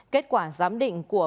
kết quả giám định của